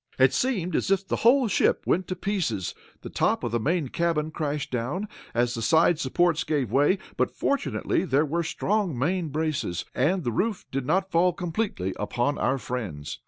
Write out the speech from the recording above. It seemed as if the whole ship went to pieces. The top of the main cabin crashed down, as the side supports gave way, but, fortunately, there were strong main braces, and the roof did not fall completely upon our friends.